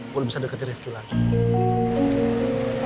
gue bisa deketin rizky lagi